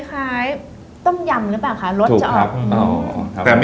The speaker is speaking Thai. คล้ายต้มยำรึเปล่าค่ะรสจะออก